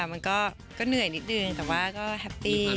มันก็เหนื่อยนิดนึงแต่ว่าก็แฮปปี้